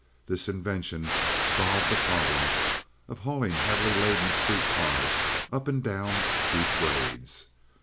This invention solved the problem of hauling heavily laden street cars up and down steep grades.